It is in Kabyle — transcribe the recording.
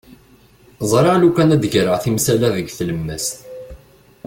Ẓriɣ lukan ad d-greɣ timsal-a deg tlemmast.